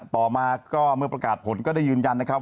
ต่อมาก็เมื่อประกาศผลก็ได้ยืนยันนะครับ